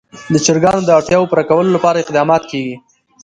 د چرګانو د اړتیاوو پوره کولو لپاره اقدامات کېږي.